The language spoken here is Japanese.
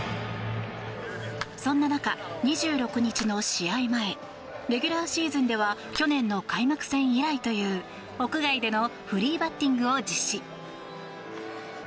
そんな中、２６日の試合前レギュラーシーズンでは去年の開幕戦以来という屋外でのフリーバッティングを実施。